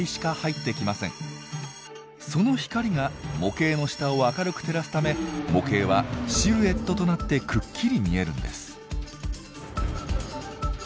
その光が模型の下を明るく照らすため模型はシルエットとなってくっきり見えるんです。